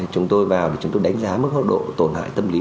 chúng tôi vào chúng tôi đánh giá mức hốc độ tổn hại tâm lý